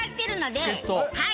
はい。